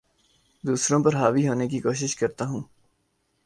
دوسروں پر حاوی ہونے کی کوشش کرتا ہوں